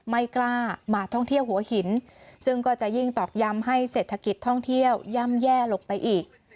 ไม่กล้ามาท่องเที่ยวหัวหินซึ่งก็จะยิ่งตอกย้ำให้เศรษฐกิจท่องเที่ยวย่ำแย่ลงไปอีก